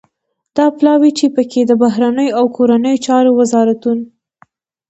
دا پلاوی چې پکې د بهرنیو او کورنیو چارو وزارتون